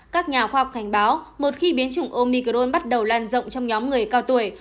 các nhà khoa học cảnh báo một khi biến chủng omicron bắt đầu lan rộng trong nhóm người cao tuổi